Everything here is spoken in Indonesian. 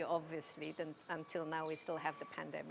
dan sampai sekarang kita masih mengalami pandemi